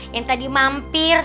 yang tadi mampir